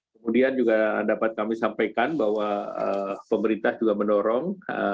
kemudian juga dapat kami sampaikan bahwa pemerintah juga mendorong